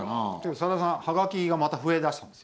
さださん、はがきがまた増えだしたんです。